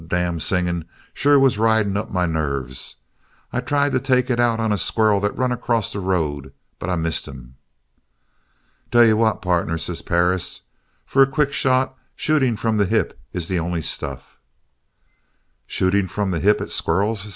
That damn singing sure was riding my nerves. I tried to take it out on a squirrel that run across the road but I missed him. "'Tell you what, partner,' says Perris, 'for a quick shot, shooting from the hip is the only stuff.' "'Shooting from the hip at squirrels?'